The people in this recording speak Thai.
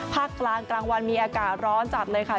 ภาคกลางกลางวันมีอากาศร้อนจัดเลยค่ะ